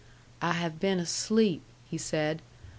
"I have been asleep," he said.